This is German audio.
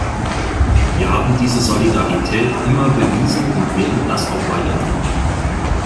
Wir haben diese Solidarität immer bewiesen und werden das auch weiter tun.